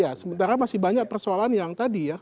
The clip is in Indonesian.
ya sementara masih banyak persoalan yang tadi ya